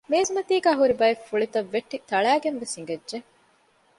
މޭޒުމަތީގައި ހުރި ބައެއް ފުޅިތައް ވެއްޓި ތަޅައިގެން ވެސް ހިނގައްޖެ